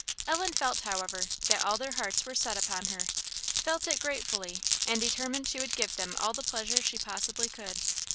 Ellen felt, however, that all their hearts were set upon her, felt it gratefully, and determined she would give them all the pleasure she possibly could.